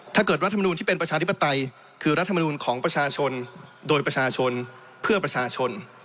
รัฐมนูลที่เป็นประชาธิปไตยคือรัฐมนูลของประชาชนโดยประชาชนเพื่อประชาชน